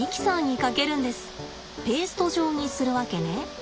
ペースト状にするわけね。